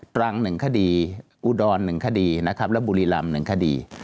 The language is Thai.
ตรัง๑คดีอุดร๑คดีและบุรีลำ๑คดี